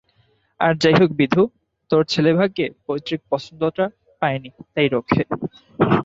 আর যাই হোক বিধু, তোর ছেলে ভাগ্যে পৈতৃক পছন্দটা পায় নি তাই রক্ষা।